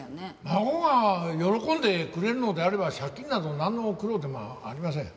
孫が喜んでくれるのであれば借金などなんの苦労でもありません。